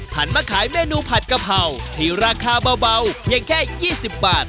มาขายเมนูผัดกะเพราที่ราคาเบาเพียงแค่๒๐บาท